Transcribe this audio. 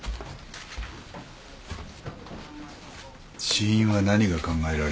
死因は何が考えられる？